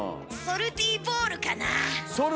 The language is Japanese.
ソルティーボール。